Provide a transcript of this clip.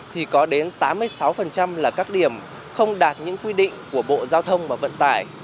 thì có đến tám mươi sáu là các điểm không đạt những quy định của bộ giao thông và vận tải